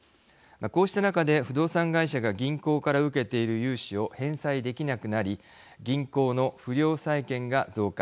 こうした中で不動産会社が銀行から受けている融資を返済できなくなり銀行の不良債権が増加。